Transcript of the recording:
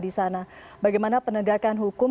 di sana bagaimana penegakan hukum